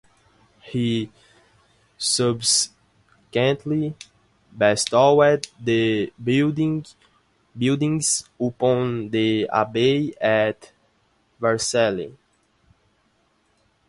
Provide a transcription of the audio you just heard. He subsequently bestowed the buildings upon the abbey at Vercelli.